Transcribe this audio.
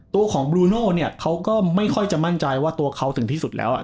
ตัวของบลูโน่เนี่ยเขาก็ไม่ค่อยจะมั่นใจว่าตัวเขาถึงที่สุดแล้วอ่ะ